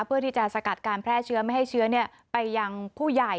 เพื่อที่จะสกัดการแพร่เชื้อไม่ให้เชื้อไปยังผู้ใหญ่